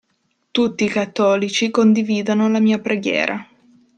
Tutti i cattolici condividano la mia preghiera.